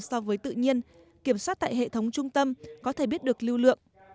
so với tự nhiên kiểm soát tại hệ thống trung tâm có thể biết được lưu lượng